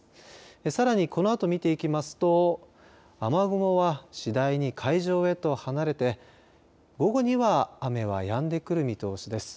さらに、このあと見ていきますと雨雲は次第に海上へと離れて午後には雨はやんでくる見通しです。